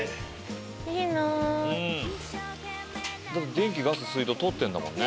電気ガス水道通ってんだもんね。